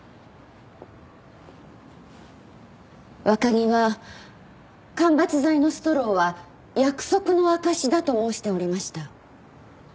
若木は間伐材のストローは約束の証しだと申しておりました。